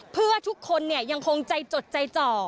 เพื่อทุกคนยังคงใจจดใจจ่อ